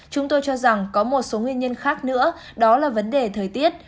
chúng tôi cho rằng có một số nguyên nhân khác nữa đó là vấn đề thời tiết